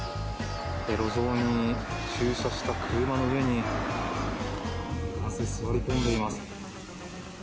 路上に駐車した車の上に男性が座り込んでいます。